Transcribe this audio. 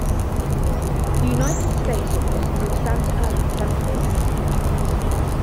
The United States' office is in Santa Ana, California.